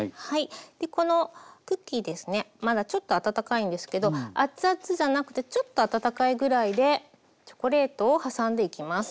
このクッキーですねまだちょっと温かいんですけどアッツアツじゃなくてちょっと温かいぐらいでチョコレートを挟んでいきます。